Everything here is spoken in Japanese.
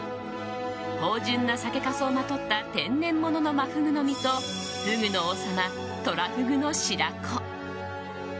芳醇な酒かすをまとった天然物の真フグの身とフグの王様、トラフグの白子。